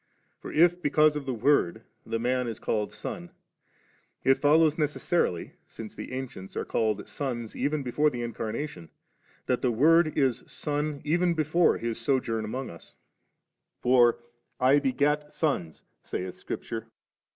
But if because of the Word the Man is called Son, it follows necessarily, since the ancients* are called sons even before the Incarnation, that the Word is Son even before His sojourn among us; for *I begat sous,' saith Scripture; and in S John viiL 5I.